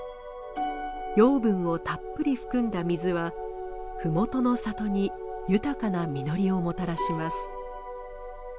養分をたっぷり含んだ水は麓の里に豊かな実りをもたらします。